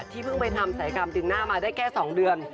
เพิ่งไปทำศัยกรรมดึงหน้ามาได้แค่๒เดือน